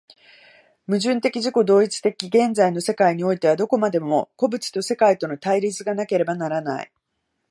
矛盾的自己同一的現在の世界においては、どこまでも個物と世界との対立がなければならない。